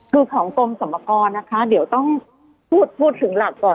คือของกรมสมกรนะคะเดี๋ยวต้องพูดถึงหลักก่อน